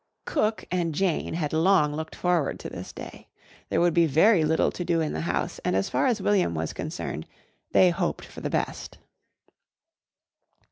Cook and Jane had long looked forward to this day. There would be very little to do in the house and as far as William was concerned they hoped for the best.